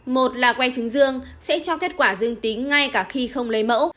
một là que trứng dương sẽ cho kết quả dương tính ngay cả khi không lấy mẫu